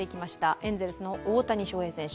エンゼルスの大谷翔平選手